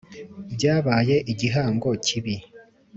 Byabaye igihango kibi